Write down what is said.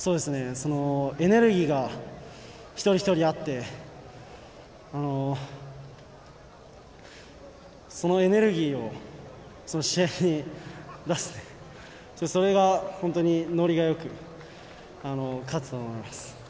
エネルギーが一人一人あってそのエネルギーを試合に出せてそれが本当にノリがよく勝てたと思います。